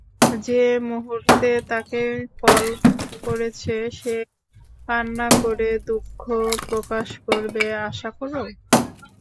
যে মুহূর্তে তাকে কল করেছ সে কন্না করে দুঃখ প্রকাশ করবে আশা করো?